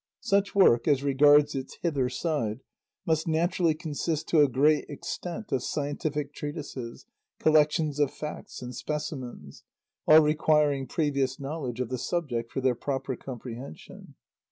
Such work, as regards its hither side, must naturally consist to a great extent of scientific treatises, collections of facts and specimens, all requiring previous knowledge of the subject for their proper comprehension.